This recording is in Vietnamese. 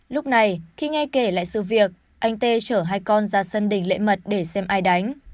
lúc này khi nghe kể lại sự việc anh tê chở hai con ra sân đình lệ mật để xem ai đánh